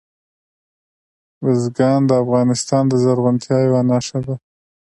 بزګان د افغانستان د زرغونتیا یوه نښه ده.